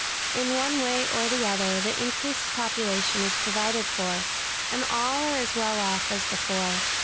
In one way or the other, the increased population is provided for, and all are as well off as before.